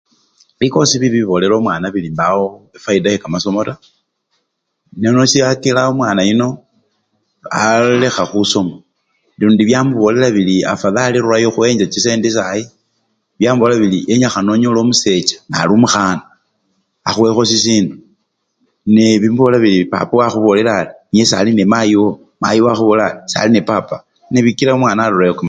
Bikosi bibi bibolela omwana bili mbawo fayida yekamasomo taa nono shakila omwana yuno ka! aalekha khusoma lundi byamubolela bili afathali rurayo khuyenje chisendi sayi, byamubolela bili wenyikhana onyole omusecha nali omukhana akhuwekho sisindu nee bimubolela biri papa wowo akhubolela ari niye sali nimayi wowo, mayi sali nepapa nebikila omwana arurayo kumusomo